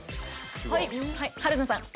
はい春菜さん